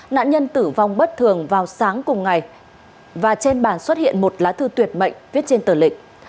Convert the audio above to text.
nạn nhân tử vong bất thường vào sáng cùng ngày và trên bàn xuất hiện một lá thư tuyệt mệnh viết trên tờ lịch